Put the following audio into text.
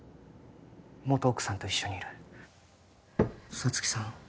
元奥さんと一緒にいる沙月さん